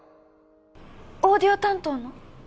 オーディオ担当の？